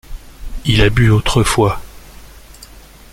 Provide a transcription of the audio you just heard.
Il a bu autrefois.